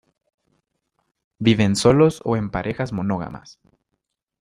Viven solos o en parejas monógamas.